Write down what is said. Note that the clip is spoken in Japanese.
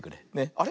あれ？